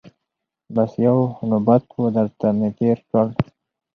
بس یو نوبت وو درته مي تېر کړ